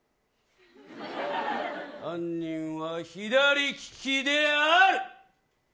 犯人は左利きである。